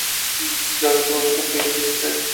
জানো তোমাকে কত ইয়েন দিয়েছি?